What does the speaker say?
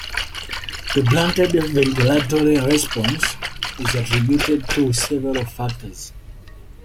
The blunted ventilatory response is attributed to several factors.